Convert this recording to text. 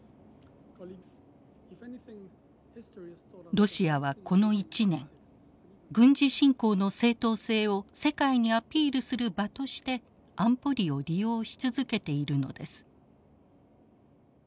ロシアはこの１年軍事侵攻の正当性を世界にアピールする場として安保理を利用し続けているのです。